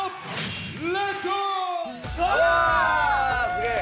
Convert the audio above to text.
すげえ。